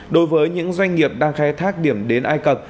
đối với những doanh nghiệp đang khai thác điểm đến ai cập